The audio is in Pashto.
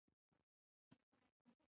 چې پالونکی او روزونکی د تمامو مخلوقاتو دی